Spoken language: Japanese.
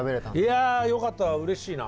いやよかったわうれしいな。